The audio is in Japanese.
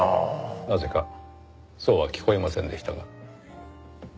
なぜかそうは聞こえませんでしたが。